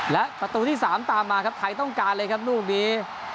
และประตูที่๓ตามมาครับไทยต้องการเลยครับลูกนี้